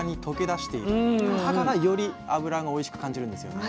だからより油をおいしく感じるんですよね。